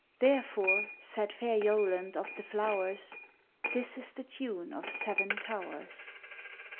_Therefore, said fair Yoland of the flowers, This is the tune of Seven Towers.